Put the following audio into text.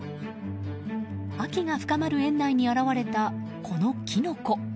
秋が深まる園内に現れたこのキノコ。